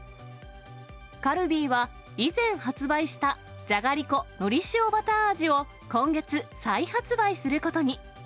カルビーは、以前発売したじゃがりこのり塩バター味を、今月、再発売することに。